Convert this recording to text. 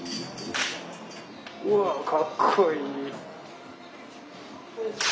うわぁかっこいい。